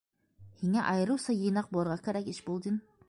- Һиңә айырыуса йыйнаҡ булырға кәрәк, Ишбулдин.